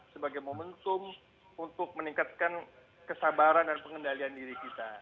sebagai momentum untuk meningkatkan kesabaran dan pengendalian diri kita